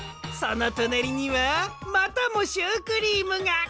そのとなりにはまたもシュークリームが！